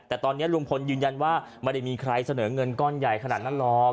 แต่ตอนนี้ลุงพลยืนยันว่าไม่ได้มีใครเสนอเงินก้อนใหญ่ขนาดนั้นหรอก